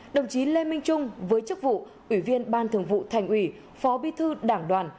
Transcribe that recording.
đồng chí lê minh trung với chức vụ ủy viên ban thường vụ thành ủy phó bí thư đảng đoàn